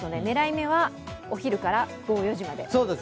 狙い目はお昼から午後４時まで。